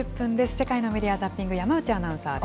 世界のメディア・ザッピング、山内アナウンサーです。